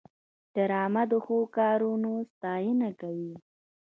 ډرامه د ښو کارونو ستاینه کوي